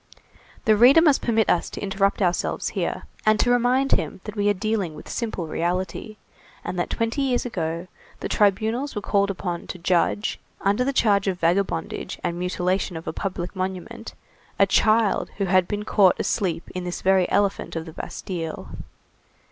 The reader must permit us to interrupt ourselves here and to remind him that we are dealing with simple reality, and that twenty years ago, the tribunals were called upon to judge, under the charge of vagabondage, and mutilation of a public monument, a child who had been caught asleep in this very elephant of the Bastille.